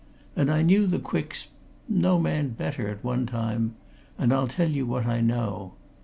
And I knew the Quicks no man better, at one time, and I'll tell you what I know.